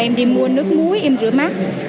em đi mua nước muối em rửa mắt